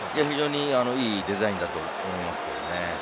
非常にいいデザインだと思いますけどね。